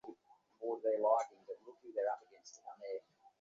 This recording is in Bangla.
যদি না-ঘটে তাহলে এ-রকম একটা গুজব কী করে রটল?